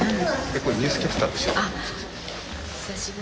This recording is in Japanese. これ、「ニュースキャスター」の取材です。